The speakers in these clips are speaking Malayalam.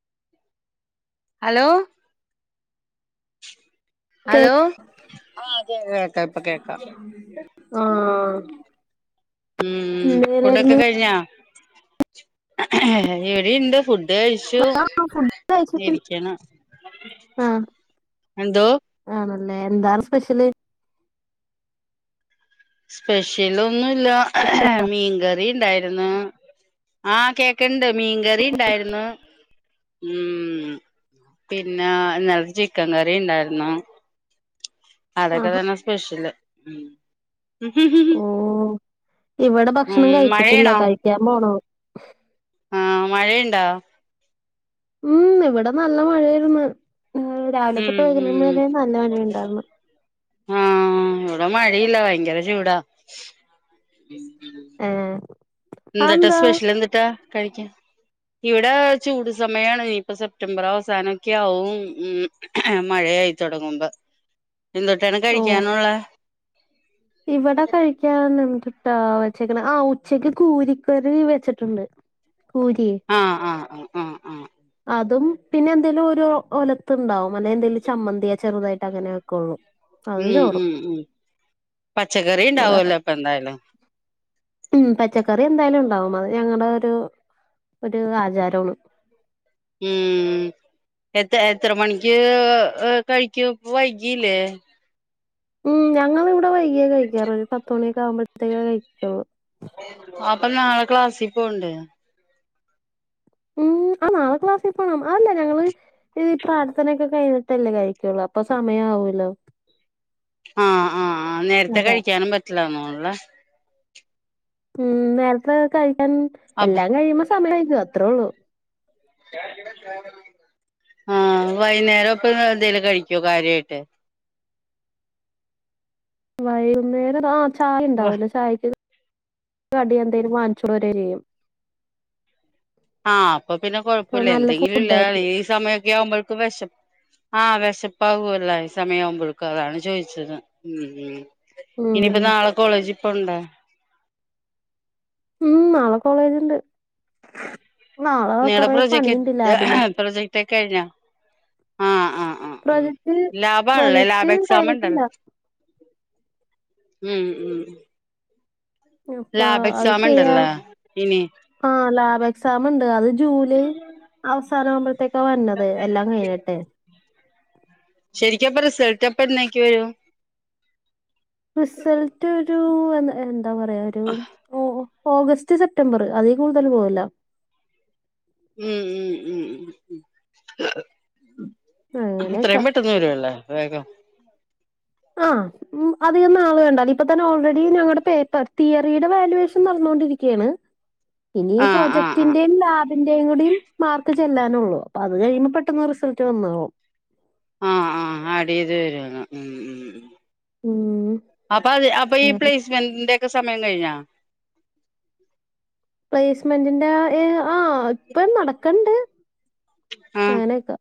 [inaudible] ഹലോ ഓക്കെ ഹലോ ആ കേക്കാ കേക്കാ ഇപ്പൊ കേക്കാം ആഹ് ഉം ഫുഡൊക്കെ എന്തേലായിരുന്നു കഴിഞ്ഞാ ഇവിടെണ്ട് ഫുഡ് കഴിച്ചു ആഹ് ഫുഡ് കഴിച്ചിട്ടില്ല ജിരിക്കണ് ആഹ് എന്തോ ആണല്ലേ എന്താണ് സ്പെഷ്യല് സ്പെഷ്യലൊന്നൂല്ല്യ മീൻകറിണ്ടായിരുന്നു ആഹ കേക്കണ്ട് മീൻകറി ഇണ്ടായിരുന്നു ഉം പിന്നെ ഇന്നല്ത്തെ ചിക്കൻ കറി ഉണ്ടായിരുന്നു അതൊക്കെ ആഹാ തന്നെ സ്പെഷ്യല് ഓ ഇവിടെ ഉം ഭക്ഷണം കഴിച്ചിട്ടില്ല മഴയാണോ കഴിക്കാൻ പോണോ ആ മഴയുണ്ടാ ഉം ഇവിടെ നല്ല മഴയായ്ര്ന്ന് ഉം ഉം രാവിലെത്തൊട്ട് ഉം വൈകുന്ന നല്ല മഴയിണ്ടായർന്ന് ആഹ് ഇവിടെ മഴയില്ല ഭയങ്കര ചൂടാ ആഹ എന്തട്ടാ സ്പെഷ്യൽ എന്ത്‌ട്ടാ കഴിക്കാൻ ഇവിടെ ചൂട് സമയാണ് ഇനിയിപ്പ സെപ്റ്റംബർ അവസാനൊക്കെ ആവും ഉം മഴ യായി തൊടങ്ങുമ്പോ എന്തോട്ടാണ് ഓ കഴിക്കാനുള്ളെ ഇവിടെ കഴിക്കാന്ന്ത്‌ വച്ചക്കണേ ആ ഉച്ചക്ക് കൂരിക്കറി വെച്ചിട്ടുണ്ട് കൂരിയേ ആ ആ അതും പിന്നെ എന്തേലും ഒരു ഒലത്ത് ഉണ്ടാവും അല്ലെ എന്തേലും ചമ്മന്തിയാ ചെറുതായിട്ട് അങ്ങനെ കോ ഉം ഉ ഉ പച്ചക്കറി ഇവിടെ ഉണ്ടാവല്ലോ അപ്പൊ എന്തായാലും ഉം പച്ചക്കറി എന്തായാലും ഉണ്ടാവും അത് ഞങ്ങളെ ഒരു ഒരു ആചാരവാണ് ഉം എത്ര എത്ര മണിക്ക് കഴിക്കു വൈകില്ലേ ഉം ഞങ്ങള് ഇവിടെ വൈകിയ കഴിക്കാറ ഒരു പത്ത മണിയൊക്കെ ആവുമ്പോഴത്തേക്കേ കഴിക്കുള്ളൂ അപ്പൊ നാളെ ക്ലാസ്സിൽ പോണ്ടേ ഉം [inaudible] ആ നാളെ ക്ലാസിൽ പോണം അതെല്ല ഞങ്ങള് പ്രാർത്ഥനയൊക്കെ കഴിഞ്ഞിട്ടല്ലേ കഴിക്കയുള്ളൂ അപ്പോ സമയാ വല്ലൊ ആഹ് ആഹ് നേരത്തെ കഴിക്കാനും പറ്റില്ല തോന്നണല്ലേ ഉം നേരത്തെ കഴിക്കാൻ അപ്പ എല്ലാം കഴിയുമ്പോ സമയം വൈകും അത്രേ ഉള്ളൂ [inaudible] ആ വൈന്നേരപ്പൊ എന്തേലും കഴിക്കോ കാര്യായിട്ട് വൈകുന്നേരതാ ചായ വ ഉണ്ടാവല്ലോ ചായയ്ക്ക് കടിയെന്തേലും വാനിച്ചരെ ചെയ്യും ആഹ് അപ്പൊ പിന്നെ അപ്പൊ കൊഴപ്പുല്ല നല്ല എന്തെങ്കിലും ഇല്ല ഫുഡായിരിക്കും. ഈ സമയൊക്കെ ആവുമ്പോഴക്ക് വെഷ ആ വിശപ്പാവൊല്ല ഈ സമയവുമ്പോഴക്കും അതാണ് ചോദിച്ചത് ഉം ഇനിയിപ്പ ഉം നാളെ കോളേജ് പോണ്ടേ ഉം നാളെ കോളേജിണ്ട് നിങ്ങടെ പ്രൊജക്ട് പ്രൊജക്ടൊക്കെ കഴിഞ്ഞാ ആഹ ആ ഉ പ്രൊജക്ട് ലാബാണല്ലേ പ്രൊജക്ട് ലാബ് എക്സാം ഉണ്ടല്ല കഴിഞ്ഞിട്ടില്ല ഉം ഉം അപ്പൊ ലാബ് അത് എക്സാം ചെയ്യ ഉണ്ടല്ലേ ഇനി ആ ലാബ് എക്സാം ഉണ്ട് അത് ജൂലൈ അവസാന ആവുമ്പോഴത്തേക്കാ വന്നത് എല്ലാം കഴിഞ്ഞിട്ട് ശരിക്ക അപ്പ റിസൾട്ട് അപ്പ എന്നേക്കി വരൂ റിസൾട്ട് ഒരു എ എന്താ പറയാ ഒരു ഓ ഓഗസ്റ്റ് സെപ്റ്റംബർ അതീ കൂടുതൽ പോവില്ല ഉം ഉം ഉം ഉ ഉ അങ്ങനെയൊക്കെ എത്രയും പെട്ടെന്ന് വരുല്ലേ വേഗം ആഹ ഉ അധികം നാൾ വേണ്ടാ ഇപ്പൊ തന്നെ ഓൾറെഡി ഞങ്ങളുടെ പേപ്പർ തിയറിയുടെ വാല്വേഷൻ നടന്നുകൊണ്ടിരിക്കുകയാണ് ഇനി ഈ ആഹ് ആഹ് ആഹ് പ്രൊജക്ടിന്റെയും ലാബി ന്റെയും കൂടി മാർക്ക് ചെല്ലാനുള്ളൂ അപ്പൊ അത് കഴിയുമ്പോ പെട്ടന്ന് റിസൾട്ട് വന്നോളും ആഹ ആഹ് ആഡ് ചെയ്ത് വരുന്ന് ഉ ഉ ഉം, അപ്പ അ അപ്പൊ ഈ അങ്ങനെ പ്ലേസ്മന്റക്ക സമയം കഴിഞ്ഞാ പ്ലേസ്മെന്റിന്റെ ആഹ ഇപ്പൊ നടക്കണ്ട് അങ്ങനെയൊക്കെ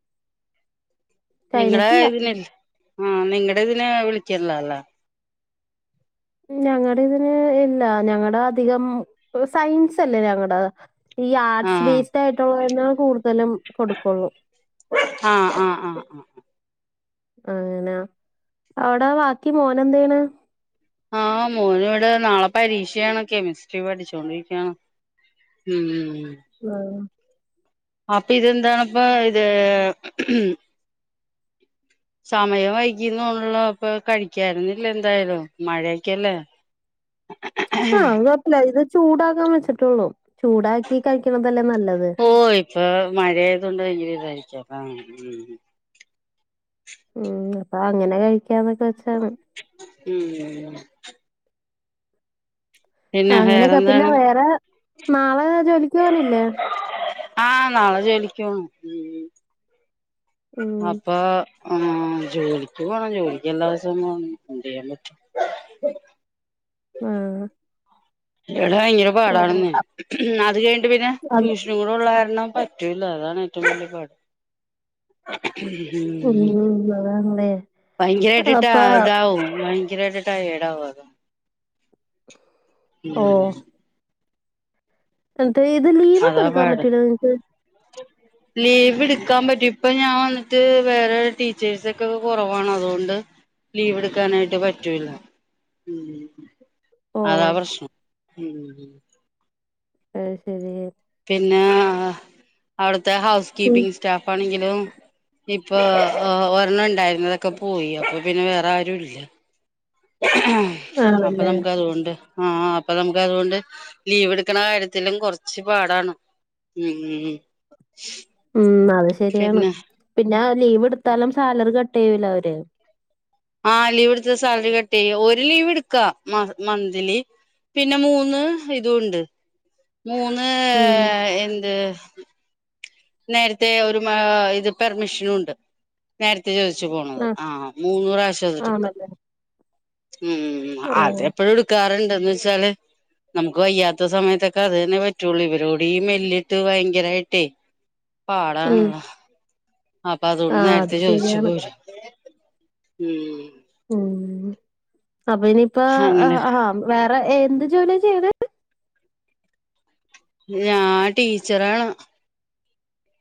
നിങ്ങളടെ കഴിഞ്ഞിട്ടില്ല ഇതി ആഹ നിങ്ങടെ ഇതിനെ വിളിക്കല്ല അല്ല ഞങ്ങളുടെ ഇതിന് ഇല്ല ഞങ്ങളടെ അധികം സയൻസ് അല്ലേ ഞങ്ങടെ ഈ ആർട്സ് ആഹ് ബേസ്ഡ് ആയിട്ടുള്ള കൂടുതലും കൊടുക്കുള്ളൂ ആഹ് ആഹ്ആ ഹ് അങ്ങനാ അവിടെ ബാക്കി മോന എന്തയ്യന് ആഹ മോനും ഇവിടെ നാളെ പരീക്ഷയാണ് കെമിസ്ട്രി പഠിച്ചോണ്ടിരിക്കയാണ് ഉം ഉ ആഹ അപ്പൊ ഇത് എന്താണ്പ്പ ഇത് സമയം വൈകീന്നണല്ലോ ഇപ്പൊ കഴിക്കരുന്നില്ല എന്തായാലും മഴക്കെയല്ലേ ആ അത് കോഴപ്പല്ല അത് ചൂടാകാൻ വെച്ചിട്ടോള്ളൂ ഓ ഇപ്പൊ മഴയാതു കൊണ്ട് [unintelligible] [unintelligible] ഉം അപ്പ അങ്ങനെ കഴിക്കാന്നൊക്കെ വെച്ചാണ് ഉം പിന്നെ അങ്ങനെക്കെ പിന്നെ വേറെന്താണ് വേറെ നാളെ ജോലിക്ക് പോണില്ലേ ആ നാളെ ജോലിക്കു പോണം ഹ് ഉം അപ്പാ ആ ജോലിക്ക് പോണം ജോലിക്ക് എല്ലാ ദിവസവും പോണം [unintelligible] ആ അ ഇവിടെ ഭയങ്കര പാടാണ്ന്നെ അത് കഴിഞ്ട്ട് പിന്നെ അത് ട്യൂഷനും കൂടെ ഉള്ള കാരണം ണം പറ്റൂല അതാണ് ഏറ്റവും വലിയ പാട് ഉം. അതാണല്ലേ. ഭയങ്കരയിട്ട് ട്ടാ അപ്പൊ ഇതാവും ഭയങ്കരായിട്ട് ടയെടാവും അതാ ഉം ഓ. [unintelligible] ലീവൊക്കെ അതാ എടുക്കാൻ പാട് പറ്റൂല്ലോ നിങ്ങക്ക് ലീവ് ഇടുക്കാൻ പറ്റും ഇപ്പ ഞാൻ വന്നിട്ട് വേറെ ടീച്ചേഴ്സൊക്കെ കോറവാണ് അതോണ്ട് ലീവ് എടുക്കാനായിട്ട് പറ്റൂല ഓ. അതാ പ്രശ്നം ഉം അഹ് ശരി പിന്നെ അവ്ട്ത്തെ ഹൗസ് ഉം. കീപ്പിംഗ് സ്റ്റാഫ്ണെങ്കിലും ഇപ്പൊ ഒരെണ്ണം ഉണ്ടായിരുന്നതൊക്കെ പോയി അപ്പ പിന്നെ വേറെ ആരും ഇല്ല ആ അപ്പ ആണല്ലേ. നമുക്ക് അതൊണ്ട് ആ അപ്പ നമുക്ക് അതുകൊണ്ട് ലീവ്ട്ക്കണ കാര്യത്തിലും കൊർച്ച് പാടാണ് ഉം ഉം ഉം ഉം അത് ശരിയാണ് പിന്നെ ലീവ്ട്ത്താലും സാലറി കട്ട് ചെയ്യൂലെ അവര് ആ ലീവ്ട്ത്താ സാലറി കട്ട് ചെയ്യും ഒരു ലീവ്ട്ക്കാ മന്ത്ലി പിന്നെ മൂന്ന് ഇതൂണ്ട് മൂന്ന് ഉം. എന്ത് നേരെത്തെ ഒരു ഇത് പെർമിഷനും ഉണ്ട് നേരത്തെ ചോയ് ച്ച് പോണത് ആ മൂന്നുപ്രാവശ്യം അത്ട്ക്കാ ആണല്ലേ. ഉം ഓ. അതെപ്പോഴും എടുക്കാറുണ്ടേന്ന് വെച്ചാല് നമുക്ക് വയ്യാത്ത സമയത്തൊക്കെ അത് തന്നെ പറ്റൊള്ളൂ ഇവരോടി ഈ മെല്ലിട്ട് ഭയങ്കരായിട്ടേ ഉം. പാടാണല്ലോ അപ്പ ആ അതുകൊണ്ട് അത് നേരത്തെ ചോയ്ച്ചു ശരിയാണ്. പോരും ഉം ഉം അപ്പ ഇനിപ്പോ അങ്ങനെ ആ വേറെ എന്ത് ജോലിയാ ചെയ്യ്ണേ ഞാൻ ടീച്ചറാണ്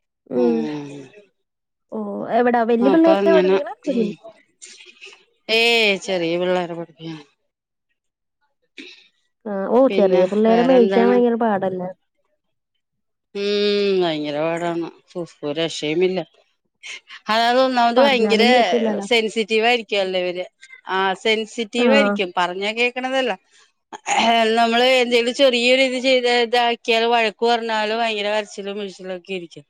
ഉം ഓ എവിടാ വല്യ ആപ്പ പിള്ളേരെയാ അങ്ങനെ പഠിപ്പിക്കണേ? കുഞ്ഞു ഏ ചെറിയ പിള്ളാരെ [unintelligible] ആ ഓ ചെറിയ പിന്നെ പിള്ളേരെ മേയ്ക്കാൻ വേറെന്താണ് ഭയങ്കര പാടല്ലേ ഉം ഭയങ്കര പാടാണ് ഒര് രക്ഷയുമില്ല [unintelligible] ഒന്നാമത് ഭയങ്കര പറഞ്ഞാലും കേക്കൂലല്ലോ. സെൻസിറ്റീവായിരിക്കും അല്ലവര് ആ ആ. സെൻസിറ്റീവായിരിക്കും പറഞ്ഞാ കേക് ക്ക്‌ ണതല്ല നമ്മള് എന്തെങ്കിലും ചെറിയ ഒരിത് ചെയ്ത് ഇതാക്കിയാ വഴക്ക്‌ പറ ന്നാലും ഭയങ്കര കരച്ചിലും മിഴിച്ചിലൊക്കെ യിരിക്കും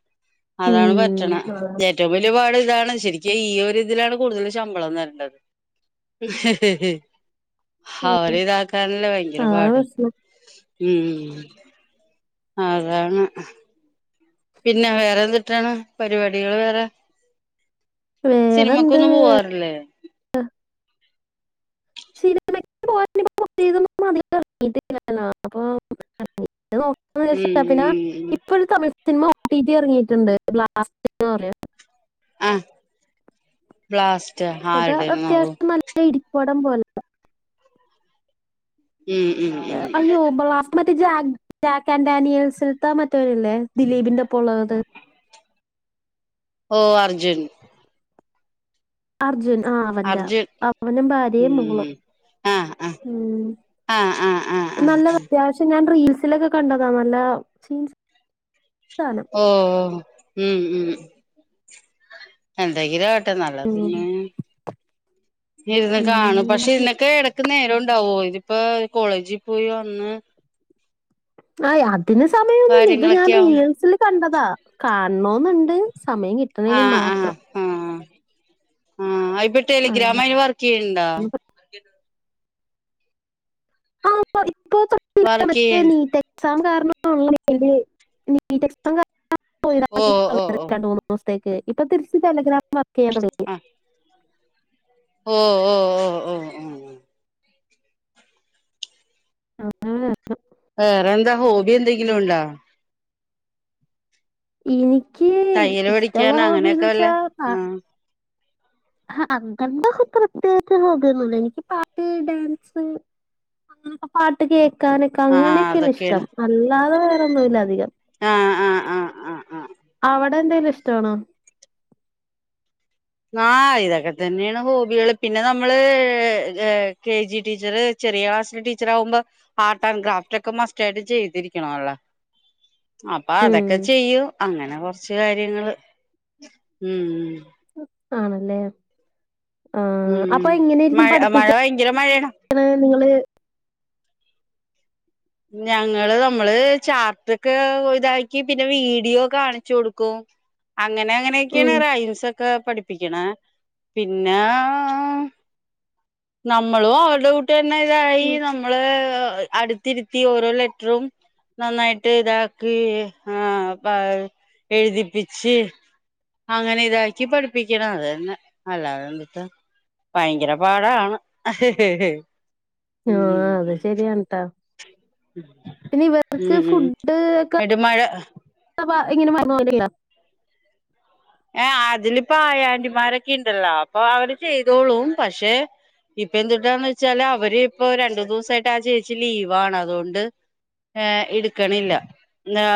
അതാണ് ഉം. പറ്റ്ണേ അതാണ് ഏറ്റവും വൽയപാട് ഇതാണ് ശരിക്കും ഈ ഒരു ഇത് ലാണ് കൂടുതല് ശമ്പളം തരേണ്ടത് അവരെ ഇതാക്കാനല്ലേ ഭയങ്കര അതാണ് പാട് പ്രശ്നം. ഉം അതാണ് പിന്നെ വേറെ എന്തിട്ടാണ് പരിപാടികൾ വേറെ വേറെന്ത് സിനിമക്കൊന്നും പോവാറില്ലേ സിനിമക്ക്‌ പോ [inaudible] നോക്കന്ന് വിചാരിച്ച പിന്നെ ഉം ഉം ഇപ്പോഴ ത സിനിമ ഒടിറ്റി ഇറങ്ങിയിട്ടുണ്ട് ബ്ലാസ്റ്റ് എന്ന് പറയാ ആ ബ്ലാസ് അത അത്യാവശ്യം നല്ല ഇടിപടം പോലത്ത ഉം ഉം ഉം മ ജ ജാക്ക് ആൻഡാനിയൽസൽത്താ മറ്റവരല്ലേ ദിലീപിന്റെ ഒപ്പ ഉള്ളത് ഓ അർജുൻ അർജുൻ ആ അവന്റെ അർജുൻ അവനും ഭാര്യയും മോളും ഉം ആഹ് ആഹ് ഉം ആഹ് ആഹ് ആഹ് ആഹ് നല്ലത് ആഹ് അത്യാവശ്യം ഞാൻ റീൽസിലൊക്കെ കണ്ടതാ നല്ല സീൻസ് സാധനം ഓ ഉം ഉം എന്തങ്കിലും നല്ല ഉം. സിനിമ പിന്നെ ഇരുന്ന് ഉം. കാണും പക്ഷെ മറ്റേ ഇന്നൊക്കെ ഇടക്ക് നേരം ഉണ്ടാവോ ഇതിപ്പോ കോളേജിൽ പോയി വന്ന് ആ അതിന് സമയോന്നില്ല ഇത് ഞാൻ കാര്യങ്ങളൊക്കെ ആവും റീൽസിൽ കണ്ടതാ കാണണോന്നുണ്ട് സമയം കിട്ടണേണി മാത്രം ആ ആയിപട്ടല്ല ആഹ്. ഗ്രാമായി വർക്ക് ചെയ് ഇണ്ടാ [inaudible] [unintelligible] വർക്ക് ചെയ്യ ഓ ഓ ഓ മൂന്ന ദിവസ തേക്ക് ഇപ്പൊ തിരിച്ച് ടെലഗ്രാം വർക്ക് ചെയ്യാൻ തുടങ്ങി ആഹ് ഓ ഓ ഓ ഓ ഓ ആ ആ വേറെന്താ ഹോബി എന്തെങ്കിലുംണ്ടോ എനിക്ക് തയ്യല് പഠിക്കാന് അങ്ങനെയൊക്കെ ഇഷ്ടമുള്ളോബീന്ന് വല്ല വെച്ചാ ആഹ് ആ അങ്ങണ്ടൊ പ്രത്യേകിച്ച് ഹോബി ഒന്നുല്യാ എനിക്ക് പാട്ട് ഡാൻസ് ആ പാട്ട് കേ ക്കാനൊക്കെ ആഹ് അങ്ങനെയൊക്കെയാണ് അതൊക്കെയാണ് ഇഷ്ടം അല്ലാതെ വേറെന്നും ഇല്ല അധികം ആഹ് ആഹ് ആഹ് ആഹ് ആഹ് അവിടെ എന്തെലും ഇഷ്ടണോ ആ ഇതൊക്കെ തന്നെയാണ് ഹോബികള് പിന്നെ നമ്മള് കെ ജി ടീച്ചർ ചെറിയ ക്ലാസ് ടീച്ചർ ആകുമ്പോ ആർട്ട് ആൻഡ് ക്രാഫ്റ്റ് ഒക്കെ മസ്റ്റ് ആയിട്ട് ചെയ്തിരിക്കണ അല്ലോ അപ്പൊ ഉം അതൊക്കെ ചെയ്യും അങ്ങനെ കൊറച്ച് കാര്യങ്ങൾ ഉം ആണല്ലേ ആ ഉം അപ്പൊ എങ്ങനൊയിരിക്കും മഴ മഴ പഠിപ്പിക്ക ഭയങ്കര മഴയാണ് നിങ്ങള് ഞങ്ങള് നമ്മള് ചാർട്ടൊക്കെ ഇതാക്കി പിന്നെ വീഡിയോ കാണിച്ചു കൊടുക്കും അങ്ങനെ അങ്ങനെയൊക്കെയാണ് ഉം റയിംസെ കേ പഠിപ്പിക്കണ പിന്നെ നമ്മളും അവരുടെ കൂട്ടി തന്നെ ഇതായി ഉം നമ്മള് അടു തിരുത്തി ഓരോ ലെറ്ററും നന്നായിട്ട് ഇതാക്കി ആ പ എഴുതിപ്പിച്ച് അങ്ങനെ ഇതാക്കി പഠിപ്പിക്കണം അതന്നെ അല്ലാതണ്ടിട്ട ഭയങ്കര പാടാണ് ആ ഉം അത് ശരിയട്ടാ പിന്നെ ഇവർക്ക് ഉം ഫുഡ് ഒക്കെ എന്നിട്ട് മഴ പ ഇങ്ങനെ വന്നലില്ല ഏ അതിലിപ്പ ആയ ആൻ്റിമാരൊക്കെ ഉണ്ടല്ലോ അപ്പൊ അവര് ചെയ്തോളും പക്ഷെ ഇപ്പൊ എന്തുട്ടാന്ന് വെച്ചാല് അവര് ഇപ്പൊ രണ്ടു ദിവസായിട്ട് ആ ചേച്ചി ലീവാണ് അതുകൊണ്ട് ഏ എടുക്കണില്ല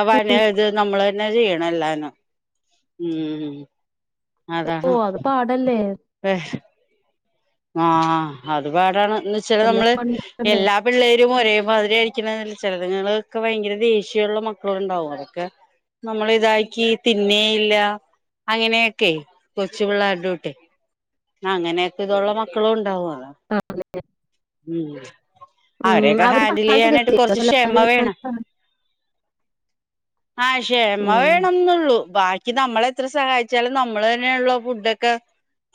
വന ഇത് നമ്മള് തന്നെ ചെയ്യണം എല്ലാനും ഉം ഓ അത് പാടല്ലേ ഹ് ആഹ അത്പാടാണ് എന്നന്ന് വച്ചാല്ൽ എല്ലാ നമ്മള് പണി എടുക്കണ്ടേ എല്ലാ പിള്ളേരും ഒരേ മാതിരി ആയിരിക്കണം ചലതങ്ങൾൊക്കെ ഭയങ്കര ദേഷ്യമുള്ള മക്കള ഉണ്ടാവും അതൊക്കെ നമ്മള ഇതാക്കാക്കി തിന്നേയില്ല അങ്ങനെയൊക്കെ കൊച്ചു പിള്ളേ അടോട്ടെ അങ്ങനെയൊക്കെ ഇതുള്ള മക്കളും ഉണ്ടാവും അതാ ആ അതെ ഉം അവരെയൊക്കെ ഹാൻഡിൽ സഹായിക്കൊക്കെ ചെയ്യാനായിട്ട് ചെയ്യോ കൊറച്ച് ക്ഷമ ചെലവര് വേണം ആഹ ക്ഷമ ഉം വേണംന്നള്ളൂ ബാക്കി നമ്മള എത്ര സഹായിച്ചാലും നമ്മള് തന്നെയള്ള ഫുഡ ഒക്കെ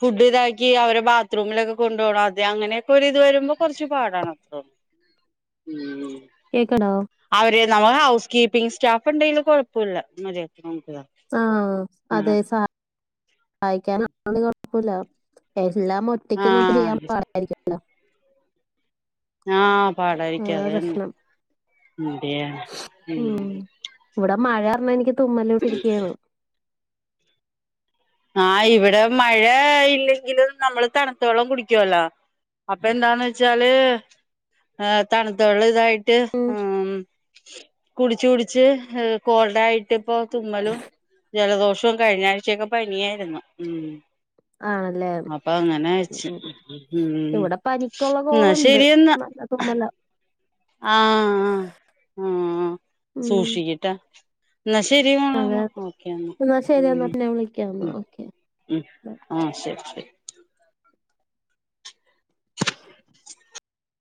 ഫുഡ് ഇതാക്കി അവരെ ബത്രറൂമിലൊക്കെ കൊണ്ടു പോണം ആദ്യം അങ്ങനെയൊക്കെ ഒരിത് വരുമ്പോ കുറച്ച് പാടാണ് അത്രൂം കേക്കണോ അവര് നമ്മ ഹൗസ് കീപ്പിംഗ് സ്റ്റാഫ് ഉണ്ടെങ്കും കുഴപ്പമില്ല മര്യാദയ്ക്ക് മം ആഹ അതെ സ സഹായിക്കാന കുഴപ്പില്ല ലെ എല്ലാ ഒറ്റയ്ക്ക് ആ നമുക്ക് ചെയ്യാൻ പാടായിരിക്കല്ലോ ആഹ് പാടായിരിക്കും അതാ അതുതന്നെ പ്രശ്നം എന്ത് ചെയ്യാനാ ഉം മം ഇവിടെ മഴ പറഞ്ഞാൽ എനിക്ക് തുമ്മലിച്ചിരിക്കുകയാണ് ആ ഇവിടെ മഴ ഇല്ലെങ്കിലും നമ്മള് തണുത്ത വെള്ളം കുടിക്കുവല്ലോ അപ്പൊ എന്താന്ന് വെച്ചാല് തണുത്തള്ളം ഇതായിട്ട് ഉം ട്ട് മ് കുടിച് കുടിച് കോൾഡായിട്ട് ഇപ്പൊ തുമ്മലും ജലദോഷോം കഴിഞ്ഞ ആഴ്ചയൊക്കെ പനിയായിരുന്നു ആണല്ലേ മ് അപ്പൊ അങ്ങനെച്ച് ഉം ഇവിടെ പനിക്കുള്ള എന്നാ കോളുണ്ട് ശരിയെന്നാ നല്ല തുമ്മല്ല ആ ആ ഉം സൂക്ഷിക്ക്ട്ടാ എന്നാ ശരി മോളെന്നാ ഓക്കെ എന്ന എന്നാ ശരി എന്നാ മ് പിന്നെ വിളിക്കാന്നാ മ് ഓക്കെ ഉം ബൈ ആ ശരി ശരി